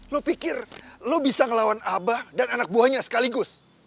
lo pikir lo bisa ngelawan abah dan anak buahnya sekaligus